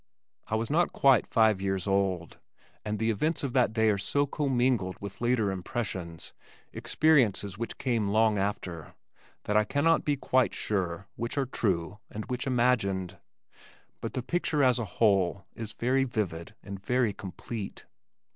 I was not quite five years old, and the events of that day are so commingled with later impressions, experiences which came long after that I cannot be quite sure which are true and which imagined, but the picture as a whole is very vivid and very complete.